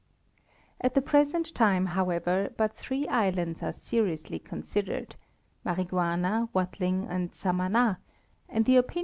_At the present time, however, but three islands are seriously considered—Mariguana, Watling and Samana—and the opinions 25—Nar.